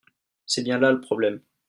c'est bien là le problème.